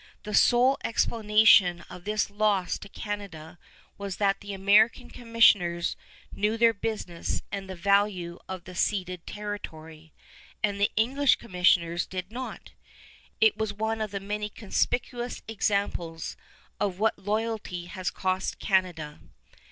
The sole explanation of this loss to Canada was that the American commissioners knew their business and the value of the ceded territory, and the English commissioners did not. It is one of the many conspicuous examples of what loyalty has cost Canada.